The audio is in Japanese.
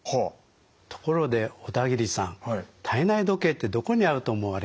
ところで小田切さん体内時計ってどこにあると思われます？